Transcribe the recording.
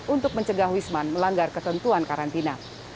untuk mencegah wisman melanggar ketentuan karantina